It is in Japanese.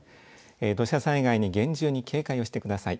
土砂災害に厳重に警戒をしてください。